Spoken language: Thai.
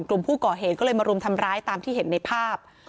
กลุ่มผู้ก่อเหตุก็เลยมารุมทำร้ายตามที่เห็นในภาพ